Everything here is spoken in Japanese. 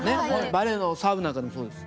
バレーのサーブなんかでもそうです。